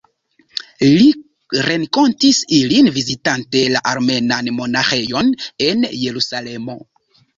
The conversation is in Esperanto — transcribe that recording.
Li renkontis ilin vizitante la armenan monaĥejon en Jerusalemo.